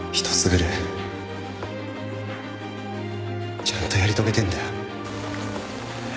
ぐれえちゃんとやり遂げてえんだよ